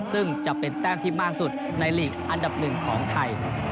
ซึ่งจะเป็นแต้มที่มากสุดในลีกอันดับหนึ่งของไทย